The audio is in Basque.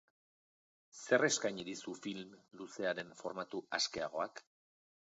Zer eskaini dizu film luzearen formatu askeagoak?